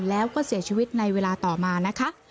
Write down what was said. แล้วก็เสียชีวิตในเวลาต่อมานะคะ